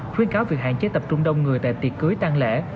khuyên cáo việc hạn chế tập trung đông người tại tiệc cưới tăng lễ